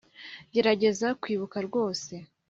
gerageza kwibuka rwose